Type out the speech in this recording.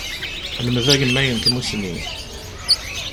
Lmed agemmay n tsusmi.